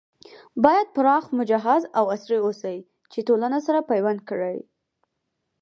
بايد پراخ، مجهز او عصري اوسي چې ټولنه سره پيوند کړي